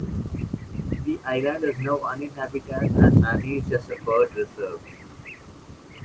The island is now uninhabited and managed as a bird reserve.